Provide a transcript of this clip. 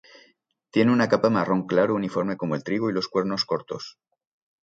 Tiene una capa marrón claro uniforme como el trigo y los cuernos cortos.